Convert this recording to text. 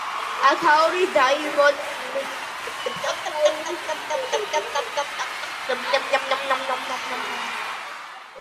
აქაური დიატომიტი იდეალურად სუფთაა და ამ მხრივ მსოფლიოში საუკეთესოდ ითვლება.